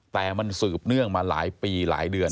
แต่มันสืบเนื่องมาหลายปีหลายเดือน